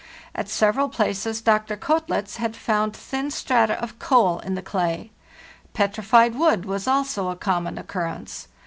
At several places Dr. Koetlitz had found thin strata of coal in the clay. Petrified wood was also of common occurrence.